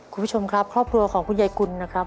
คุณผู้ชมครับครอบครัวของคุณยายกุลนะครับ